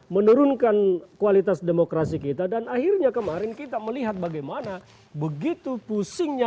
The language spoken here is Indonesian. menurunkan kualitas demokrasi kita dan akhirnya kemarin kita melihat bagaimana begitu pusingnya